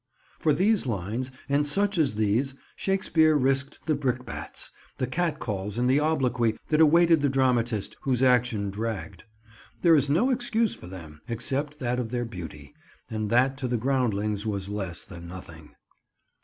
For these lines and such as these Shakespeare risked the brickbats, the cat calls and the obloquy that awaited the dramatist whose action dragged. There is no excuse for them—except that of their beauty, and that to the groundlings was less than nothing.